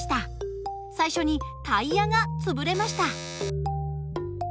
最初にタイヤが潰れました。